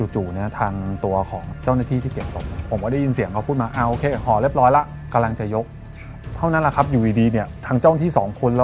จู่ทางตัวของเจ้าหน้าที่ที่เก็บซก